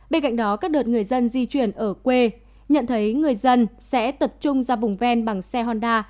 bên cạnh đó các đợt người dân di chuyển ở quê nhận thấy người dân sẽ tập trung ra vùng ven bằng xe honda